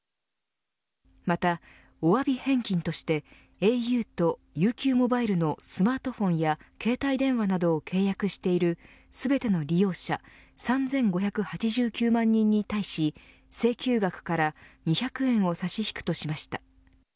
また、おわび返金としてａｕとＵＱモバイルのスマートフォンや携帯電話などを契約している全ての利用者３５８９万人に対し請求額から２００円を差し引くとしました。